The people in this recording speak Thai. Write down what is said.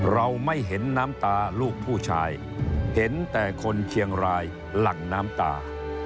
เราไม่เห็นน้ำตาลูกผู้ชายเห็นแต่คนเชียงรายหลั่งน้ำตา